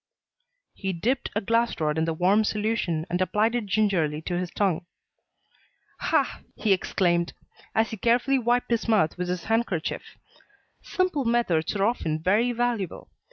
He dipped a glass rod in the warm solution and applied it gingerly to his tongue. "Ha!" he exclaimed, as he carefully wiped his mouth with his handkerchief, "simple methods are often very valuable.